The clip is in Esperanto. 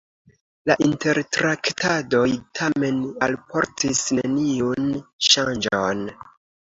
La intertraktadoj tamen alportis neniun ŝanĝon.